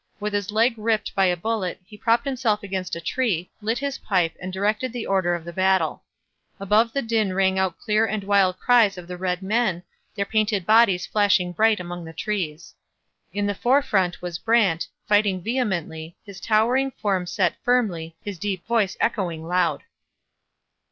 With his leg ripped by a bullet he propped himself against a tree, lit his pipe, and directed the order of the battle. Above the din rang out clear the wild cries of the red men, their painted bodies flashing bright among the trees. In the forefront was Brant, fighting vehemently, his towering form set firmly, his deep voice echoing loud.